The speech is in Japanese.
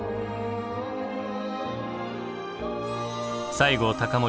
西郷隆盛